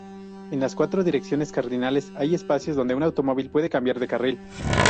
En las cuatro direcciones cardinales hay espacios donde un automóvil puede cambiar de carril.